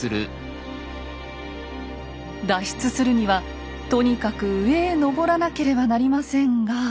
脱出するにはとにかく上へ登らなければなりませんが。